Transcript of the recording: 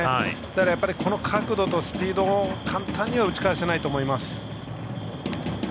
だからやっぱりこの角度とスピードは簡単に打ち返せないと思います。